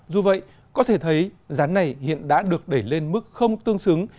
dù vậy có thể thấy giá này hiện đã được đẩy lên mức không tương xứng